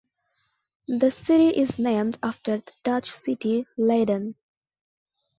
The city is named after the Dutch city Leiden.